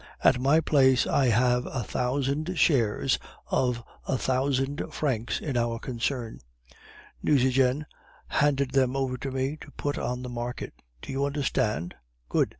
At my place I have a thousand shares of a thousand francs in our concern; Nucingen handed them over to me to put on the market, do you understand? Good.